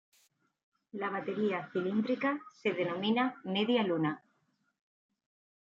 La batería cilíndrica se denomina media luna.